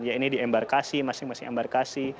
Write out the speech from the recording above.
ya ini di embarkasi masing masing embarkasi